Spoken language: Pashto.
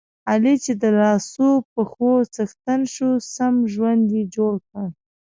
علي چې د لاسو پښو څښتن شو، سم ژوند یې جوړ کړ.